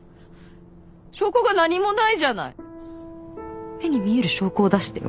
証拠が何もないじゃない目に見える証拠を出してよ。